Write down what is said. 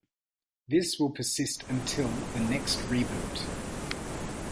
This will persist until the next reboot.